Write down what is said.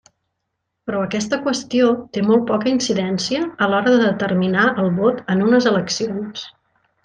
Però aquesta qüestió té molt poca incidència a l'hora de determinar el vot en unes eleccions.